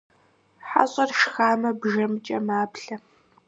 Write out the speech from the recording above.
ХьэщIэр шхамэ, бжэмкIэ маплъэ